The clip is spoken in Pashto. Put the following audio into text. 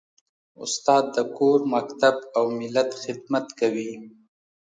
استاد د کور، مکتب او ملت خدمت کوي.